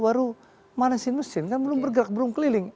baru manasin mesin kan belum bergerak belum keliling